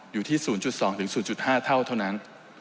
อยู่ที่๐๒๐๕เท่านั้น